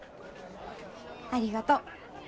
ありがとう。